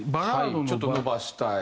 ちょっと伸ばしたい。